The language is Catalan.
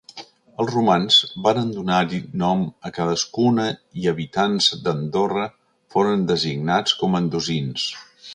Els romans varen donar-hi nom a cadascuna i habitants d'Andorra foren designats com a Andosins.